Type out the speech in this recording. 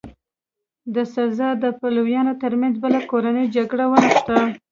د سزار د پلویانو ترمنځ بله کورنۍ جګړه ونښته.